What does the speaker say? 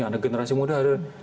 anak generasi muda ada